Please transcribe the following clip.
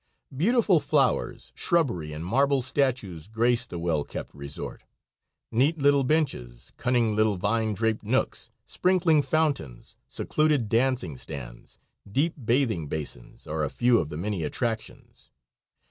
Beautiful flowers, shrubbery and marble statues grace the well kept resort. Neat little benches, cunning little vine draped nooks, sprinkling fountains, secluded dancing stands, deep bathing basins, are a few of the many attractions.